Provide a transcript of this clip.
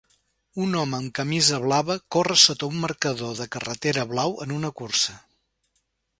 Un home amb camisa blava corre sota un marcador de carretera blau en una cursa.